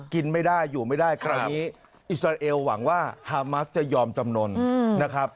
กินไม่ได้อยู่ไม่ได้คราวนี้อิสราเอลหวังว่าฮามัสจะยอมจำนวนนะครับ